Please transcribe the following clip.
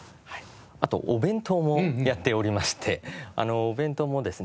あとお弁当もやっておりましてお弁当もですね